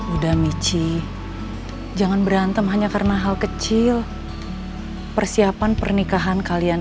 udah michi jangan berantem hanya karena hal kecil persiapan pernikahan kalian